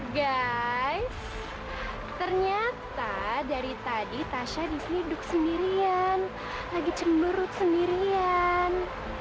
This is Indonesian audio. guys ternyata dari tadi tasha disini duduk sendirian lagi cemberut sendirian